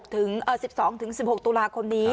๑๒๑๖ธุราคมนี้